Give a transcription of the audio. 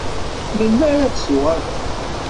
Melmi ara d-tuɣaleḍ?